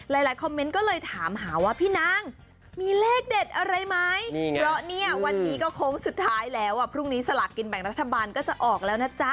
หลายคอมเมนต์ก็เลยถามหาว่าพี่นางมีเลขเด็ดอะไรไหมเพราะเนี่ยวันนี้ก็โค้งสุดท้ายแล้วอ่ะพรุ่งนี้สลากกินแบ่งรัฐบาลก็จะออกแล้วนะจ๊ะ